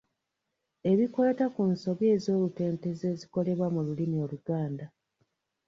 Ebikwata ku nsobi ez'olutentezi ezikolebwa mu lulimi Oluganda.